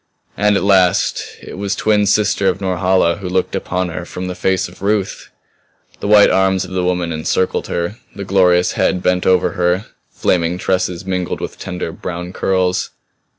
And at last it was twin sister of Norhala who looked upon her from the face of Ruth! The white arms of the woman encircled her; the glorious head bent over her; flaming tresses mingled with tender brown curls.